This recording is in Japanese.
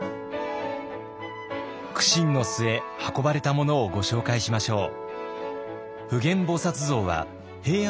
苦心の末運ばれたものをご紹介しましょう。